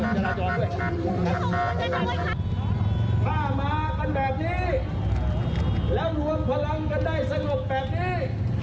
ถ้ามากันแบบนี้และววดพลังกันได้สนุกแบบนี้